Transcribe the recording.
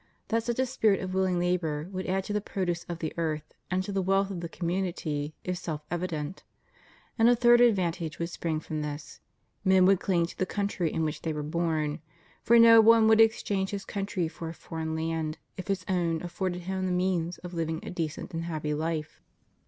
That such a spirit of willing labor would add to the produce of the earth and to the wealth of the com munity is self evident. And a third advantage would spring from this : men would cling to the country in which they were born; for no one would exchange his countrj' for a foreign land if his own afforded him the means of living a decent and happy life.